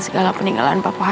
segala peninggalan papa aku